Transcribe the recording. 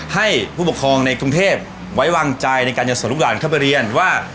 ให้ผู้ปกครองในกรุงเทพไว้วางใจในการจะส่งลูกหลานเข้าไปเรียนว่า